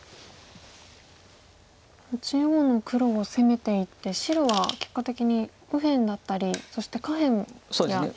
中央の黒を攻めていって白は結果的に右辺だったりそして下辺や左下も。